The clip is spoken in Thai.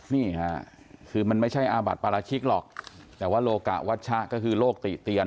นี่ค่ะคือมันไม่ใช่อาบัติปราชิกหรอกแต่ว่าโลกะวัชชะก็คือโลกติเตียน